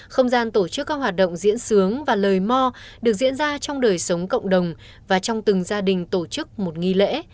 không gian tổ chức các hoạt động diễn sướng và lời mò được diễn ra trong đời sống cộng đồng và trong từng gia đình tổ chức một nghi lễ